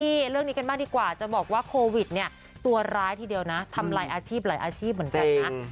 ที่เรื่องนี้กันบ้างดีกว่าจะบอกว่าโควิดเนี่ยตัวร้ายทีเดียวนะทำลายอาชีพหลายอาชีพเหมือนกันนะ